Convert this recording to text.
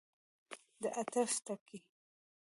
د عطف ټکی.